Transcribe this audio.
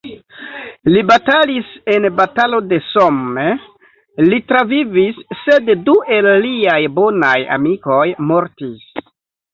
Li batalis en Batalo de Somme—li travivis, sed du el liaj bonaj amikoj mortis.